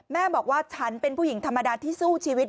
แม่บอกว่าฉันเป็นผู้หญิงธรรมดาที่สู้ชีวิต